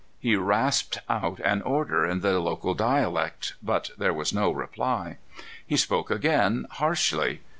He rasped out an order in the local dialect, but there was no reply. He spoke again, harshly.